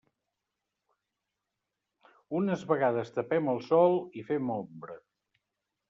Unes vegades tapem el sol i fem ombra.